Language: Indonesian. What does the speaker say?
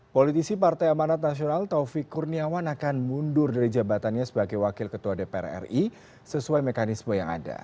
politisi partai amanat nasional taufik kurniawan akan mundur dari jabatannya sebagai wakil ketua dpr ri sesuai mekanisme yang ada